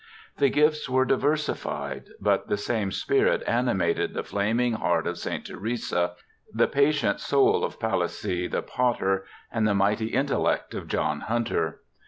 The gifts were diversified, but the same spirit animated the 'flaming heart of St. Theresa', the patient soul of Palissy the potter, and the mighty intellect of John Hunter.